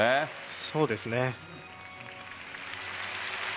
そうですね。